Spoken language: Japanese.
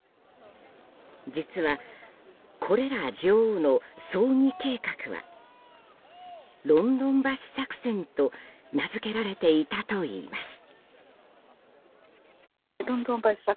実は、これら女王の葬儀計画はロンドン橋作戦と名づけられていたといいます。